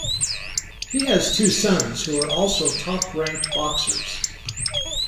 He has two sons who are also top-ranked boxers.